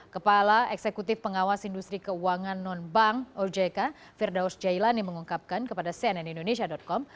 kepala eksekutif pengawas industri keuangan nonbank ojk firdaus jailani mengungkapkan kepada cnnindonesia com